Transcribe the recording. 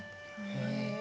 へえ。